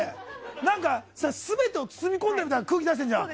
何かさ、全てを包み込んでるみたいな空気出してるじゃん。